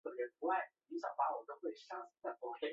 有研究认为这里的部分绘像实际上是汉字的雏形。